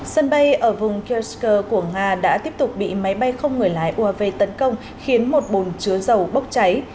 sân bay ở vùng kyesker của nga đã tiếp tục bị máy bay không người lái uav tấn công khiến một bồn chứa dầu bốc cháy